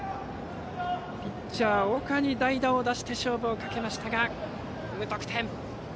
ピッチャー、岡に代打を出して勝負をかけましたが無得点です。